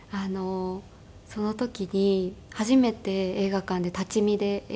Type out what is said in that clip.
その時に初めて映画館で立ち見で映画を見て。